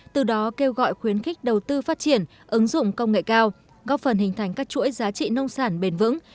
từ đó kêu gọi khuyến khích đầu tư phát triển ứng dụng công nghệ cao góp phần hình thành các chuỗi giá trị nông sản bền vững